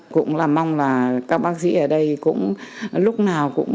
cũng là mong là các bác sĩ ở đây cũng lúc nào cũng